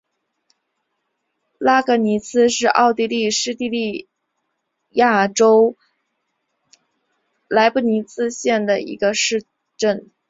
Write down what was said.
拉格尼茨是奥地利施蒂利亚州莱布尼茨县的一个市镇。